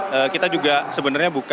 karena kita juga sebenarnya buka